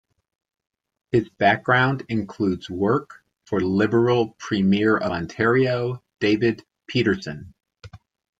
His background includes work for Liberal Premier of Ontario David Peterson.